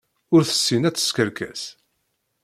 Ur tessin ad teskerkes.